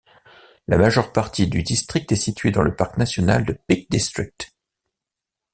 La majeure partie du district est située dans le parc national de Peak District.